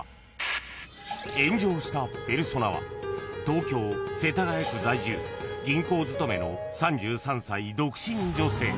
［炎上したペルソナは東京世田谷区在住銀行勤めの３３歳独身女性］